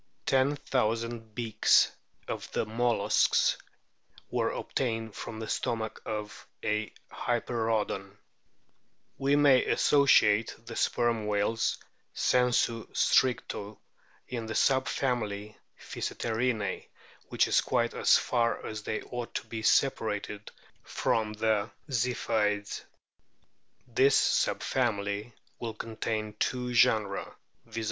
Ten thousand beaks of the Molluscs were obtained from the stomach of a Hyperoodon, We may associate the " Sperm whales " sensu stricto in the sub family Physeterinae, which is quite 1 84 A SO OK OP WHALES as far as they ought to be separated from the Ziphioids. This sub family will contain two genera, viz.